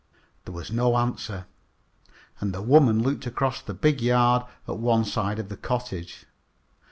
There was no answer, and the woman looked across the big yard at one side of the cottage.